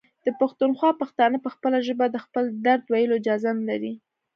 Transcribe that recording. د پښتونخوا پښتانه په خپله ژبه د خپل درد ویلو اجازه نلري.